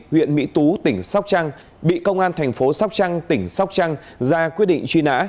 huyện mỹ tú tỉnh sóc trăng bị công an thành phố sóc trăng tỉnh sóc trăng ra quyết định truy nã